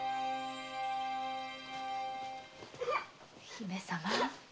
姫様。